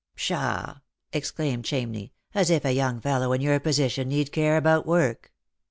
" Pshaw !" exclaimed Chamney, " as if a young fellow in your position need care about work."